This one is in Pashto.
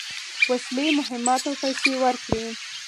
وسلې، مهمات او پیسې ورکړې.